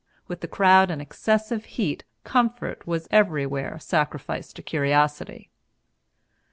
With the crowd and excessive heat, comfort was everywhere sacrificed to curiosity.